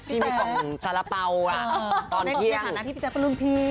ที่มีกล่องสาระเป๋าอ่ะตอนเที่ยงในฐานะพี่แจ๊กเป็นรุ่นพี่